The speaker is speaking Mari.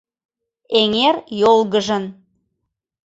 Эҥер йолгыжын.